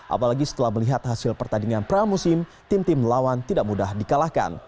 apalagi setelah melihat hasil pertandingan pramusim tim tim lawan tidak mudah dikalahkan